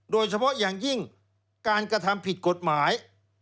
โดยเฉพาะอย่างยิ่งการกระทำผิดกฎหมาย